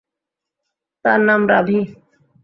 তার নাম রাভি।